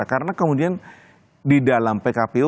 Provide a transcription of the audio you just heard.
karena kemudian di dalam pkpu